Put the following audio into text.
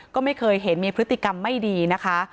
ก็ไม่เคยเห็นมีพฤติกรรมไม่ดีนะคะ